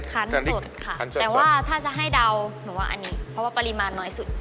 คันสดค่ะแต่ว่าถ้าจะให้เดาหนูว่าอันนี้เพราะว่าปริมาณน้อยสุด